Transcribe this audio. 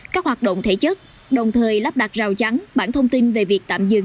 các hoạt động thể chất đồng thời lắp đặt rào chắn bản thông tin về việc tạm dừng